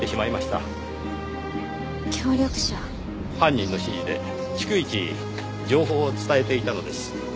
犯人の指示で逐一情報を伝えていたのです。